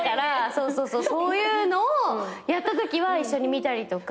そういうのをやったときは一緒に見たりとか。